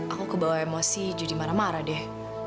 aku kebawa emosi jadi marah marah deh